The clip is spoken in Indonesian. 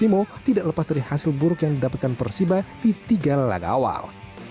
timo tidak lepas dari hasil buruk yang didapatkan persiba di tiga laga awal